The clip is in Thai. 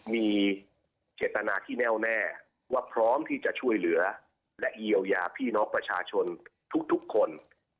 มีเจตนาที่แน่วแน่ว่าพร้อมที่จะช่วยเหลือและเยียวยาพี่น้องประชาชนทุกคน